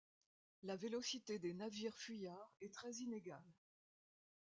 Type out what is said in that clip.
La vélocité des navires fuyards est très inégale.